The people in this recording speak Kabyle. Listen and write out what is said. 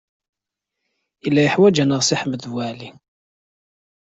Yella yeḥwaj-aneɣ Si Ḥmed Waɛli.